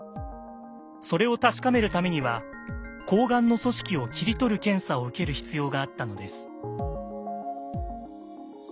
それを確かめるためにはこうがんの組織を切り取る検査を受ける必要があったのです。